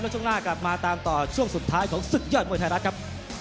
ช่วงหน้ากลับมาตามต่อช่วงสุดท้ายของศึกยอดมวยไทยรัฐครับ